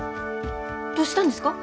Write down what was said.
どうしたんですか？